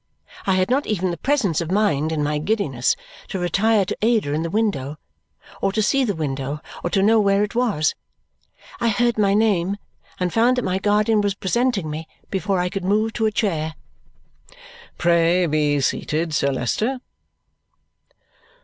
I had not even the presence of mind, in my giddiness, to retire to Ada in the window, or to see the window, or to know where it was. I heard my name and found that my guardian was presenting me before I could move to a chair. "Pray be seated, Sir Leicester."